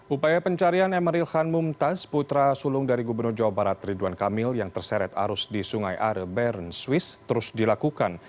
upaya pencarian emeril khan mumtaz putra sulung dari gubernur jawa barat ridwan kamil yang terseret arus di sungai are bern swiss terus dilakukan